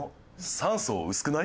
酸素薄くない？